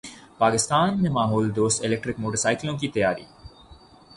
پاکستان میں ماحول دوست الیکٹرک موٹر سائیکلوں کی تیاری